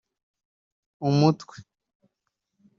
Umutwe